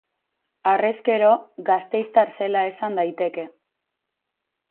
Harrezkero, gasteiztar zela esan daiteke.